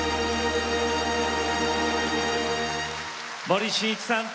森進一さん